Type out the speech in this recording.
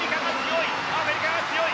アメリカが強い。